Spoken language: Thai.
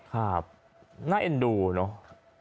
ครับน่าเอ็นดูเนอะ